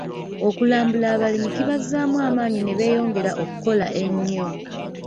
Okulambula abalimi kibazzaamu amaanyi ne beeyongera okukola ennyo.